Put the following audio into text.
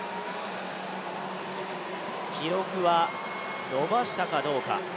記録は伸ばしたかどうか。